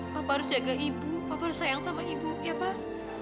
bapak harus jaga ibu papa harus sayang sama ibu ya pak